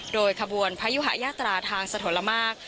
โดยขบวนพยุหายาตราทางสถนละมาก